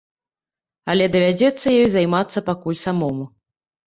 Але давядзецца ёй займацца пакуль самому.